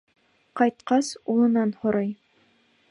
Ҡайтҡас, улынан һорай: